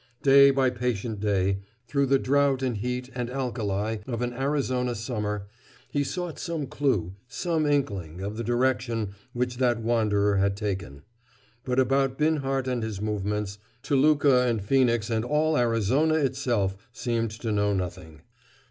Day by patient day, through the drought and heat and alkali of an Arizona summer, he sought some clue, some inkling, of the direction which that wanderer had taken. But about Binhart and his movements, Toluca and Phœnix and all Arizona itself seemed to know nothing.